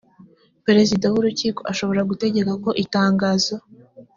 perezida w urukiko ashobora gutegeka ko itangazo